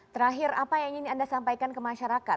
terakhir apa yang ingin anda sampaikan ke masyarakat